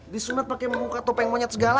disunat pakai muka topeng monyet segala